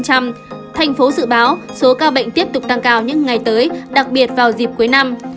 thành phố dự báo số ca bệnh tiếp tục tăng cao những ngày tới đặc biệt vào dịp cuối năm